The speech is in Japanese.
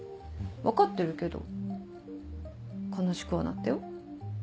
分かってるけど悲しくはなったよ。